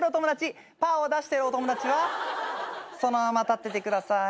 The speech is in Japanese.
パーを出してるお友達はそのまま立っててください。